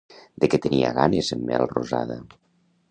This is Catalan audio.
De què tenia ganes en Melrosada?